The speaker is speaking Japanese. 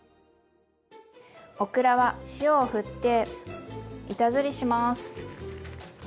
オクラは塩をふって板ずりします。